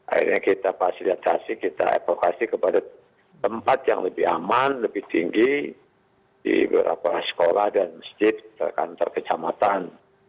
akhirnya kita fasilitasi kita evakuasi kepada tempat yang lebih aman lebih tinggi di beberapa sekolah dan masjid kantor kecamatan